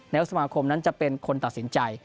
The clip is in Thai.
สมาคมนั้นจะเป็นคนตัดสินใจ